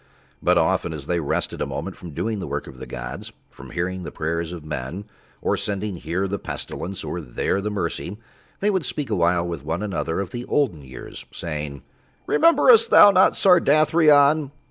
But often as they rested a moment from doing the work of the gods, from hearing the prayers of men or sending here the Pestilence or there Mercy, They would speak awhile with one another of the olden years saying, "Rememberest thou not Sardathrion?"